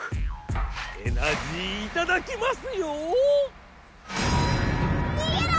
エナジーいただきますよ！にげろ！